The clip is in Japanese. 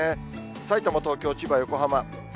さいたま、東京、千葉、横浜。